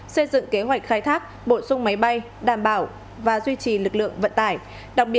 xây dựng kế hoạch khai thác bổ sung máy bay đảm bảo và duy trì